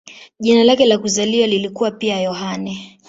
Jina lake la kuzaliwa lilikuwa pia "Yohane".